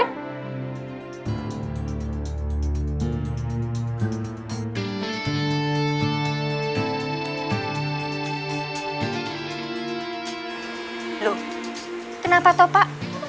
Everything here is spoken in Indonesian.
lho kenapa tau pak